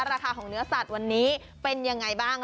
ราคาของเนื้อสัตว์วันนี้เป็นยังไงบ้าง